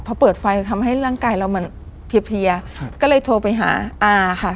พอเปิดไฟทำให้ร่างกายเรามันเพียก็เลยโทรไปหาอาค่ะ